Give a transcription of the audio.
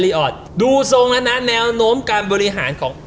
รุ้น๕ถ้วยปีนี้